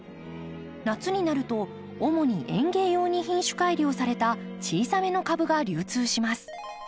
夏になると主に園芸用に品種改良された小さめの株が流通します。